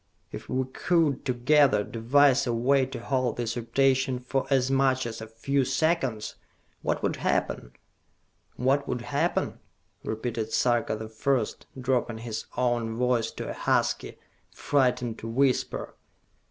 If we could, together, devise a way to halt this rotation for as much as a few seconds, what would happen?" "What would happen?" repeated Sarka the First, dropping his own voice to a husky, frightened whisper.